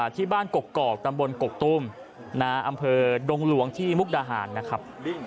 ที่บ้านกกอกตำบลกกตุ้มอำเภอดงหลวงที่มุกดาหารนะครับ